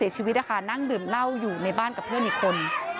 เสียชีวิตนะคะนั่งดื่มเหล้าอยู่ในบ้านกับเพื่อนอีกคน